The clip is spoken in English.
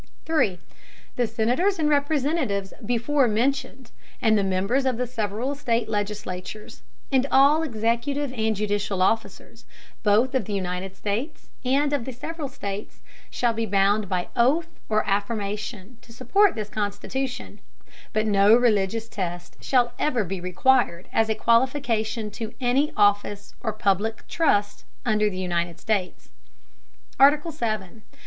The Senators and Representatives before mentioned, and the Members of the several State Legislatures, and all executive and judicial Officers, both of the United States and of the several States, shall be bound by Oath or Affirmation, to support this Constitution; but no religious Test shall ever be required as a Qualification to any Office or public Trust under the United States. ARTICLE. VII.